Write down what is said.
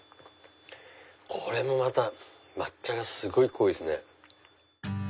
これもまた抹茶がすごい濃いですね。